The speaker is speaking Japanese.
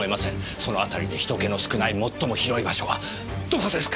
その辺りで人気の少ない最も広い場所はどこですか？